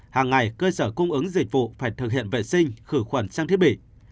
hàng ngày cơ sở cung ứng dịch vụ phải thực hiện vệ sinh khử khuẩn sang thiết bị